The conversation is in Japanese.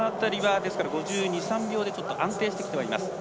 ５２５３秒で安定してきてはいます。